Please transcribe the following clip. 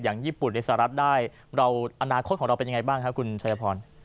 ญี่ปุ่นในสหรัฐได้เราอนาคตของเราเป็นยังไงบ้างครับคุณชายพร